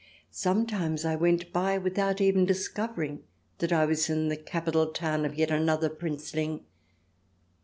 Sometimes I went by without even discovering that I was in the capital town of yet another Princeling.